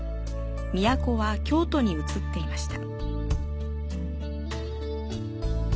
都は京都に遷っていました。